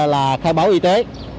là khai báo y tế